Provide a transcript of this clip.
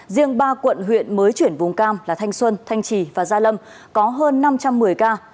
riêng ba quận huyện mới chuyển vùng cam là thanh xuân thanh trì và gia lâm có hơn năm trăm một mươi ca